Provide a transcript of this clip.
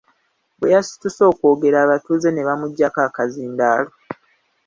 Bwe yasituse okwogera, abatuuze ne bamuggyako akazindaalo.